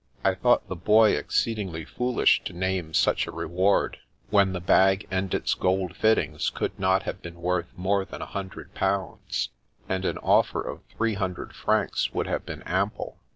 I thought the Boy exceed ingly foolish to name such a reward, when the bag and its gold fittings could not have been worth more than a hundred pounds, and an offer of three hun dred francs would have been ample.